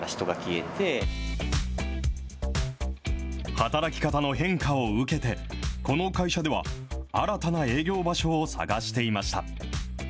働き方の変化を受けて、この会社では、新たな営業場所を探していました。